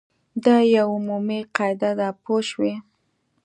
دا یوه عمومي قاعده ده پوه شوې!.